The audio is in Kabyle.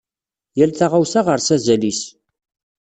Yal taɣawsa ɣer-s azal-is.